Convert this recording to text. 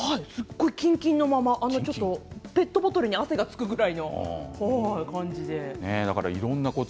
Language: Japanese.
キンキンのままペットボトルに汗がつくくらいの感じで。